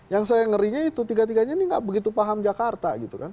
yang saya ngerinya itu tiga tiganya ini nggak begitu paham jakarta gitu kan